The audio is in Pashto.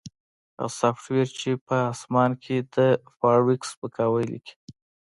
هغه سافټویر چې په اسمان کې د فارویک سپکاوی لیکي